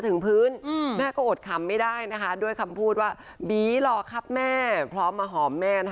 ถึงพื้นแม่ก็อดคำไม่ได้นะคะด้วยคำพูดว่าบีรอครับแม่พร้อมมาหอมแม่